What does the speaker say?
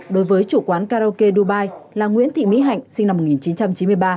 đối với chủ quán karaoke dubai là nguyễn thị mỹ hạnh sinh năm một nghìn chín trăm chín mươi ba